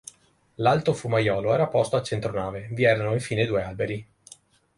L'alto fumaiolo era posto a centro nave; vi erano infine due alberi.